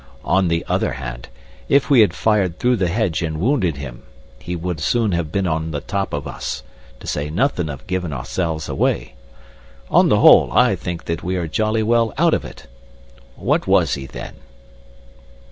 On the other hand, if we had fired through the hedge and wounded him he would soon have been on the top of us to say nothin' of giving ourselves away. On the whole, I think that we are jolly well out of it. What was he, then?"